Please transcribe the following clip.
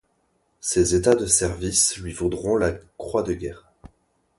Ses états de service lui vaudront la croix de guerre.